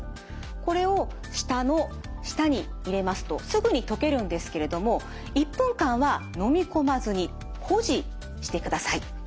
これを舌の下に入れますとすぐに溶けるんですけれども１分間はのみ込まずに保持してください。